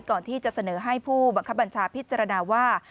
ก่อนที่จะเสนอให้ผู้บังคับบัญชาพิจารณาว่า